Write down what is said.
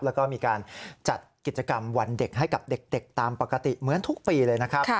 แล้วก็มีการจัดกิจกรรมวันเด็กให้กับเด็กตามปกติเหมือนทุกปีเลยนะครับ